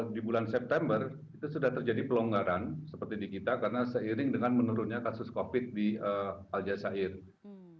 di bulan september itu sudah terjadi pelonggaran seperti di kita karena seiring dengan menurunnya kasus covid di al jazee